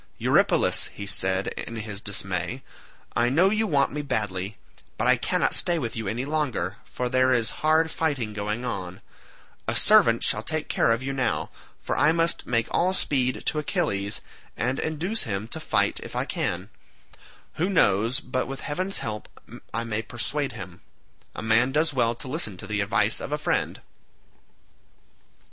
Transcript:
"Eurypylus," said he in his dismay, "I know you want me badly, but I cannot stay with you any longer, for there is hard fighting going on; a servant shall take care of you now, for I must make all speed to Achilles, and induce him to fight if I can; who knows but with heaven's help I may persuade him. A man does well to listen to the advice of a friend."